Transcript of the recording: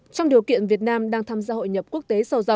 trong điều kiện việt nam đang tham gia hội nhập quốc tế